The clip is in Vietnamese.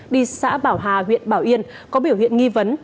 đi xã bảo hà huyện bảo yên có biểu hiện nghi vấn